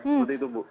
seperti itu bu